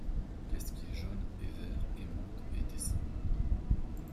Qu’est-ce qui est jaune et vert et monte et descend ?